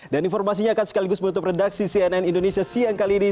dan informasinya akan sekaligus menutup redaksi cnn indonesia siang kali ini